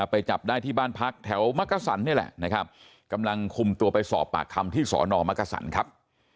ไปจับได้ที่บ้านพักแถวมักกะสันนี่แหละนะครับกำลังคุมตัวไปสอบปากคำที่สอนอมักกษันครับ